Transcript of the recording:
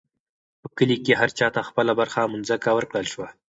په کلي کې هر چا ته خپله برخه مځکه ورکړل شوه.